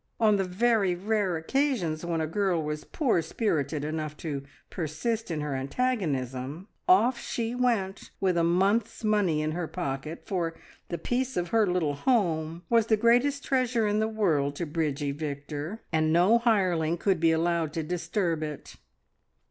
On the very rare occasions when a girl was poor spirited enough to persist in her antagonism, off she went with a month's money in her pocket, for the peace of her little home was the greatest treasure in the world to Bridgie Victor, and no hireling could be allowed to disturb it.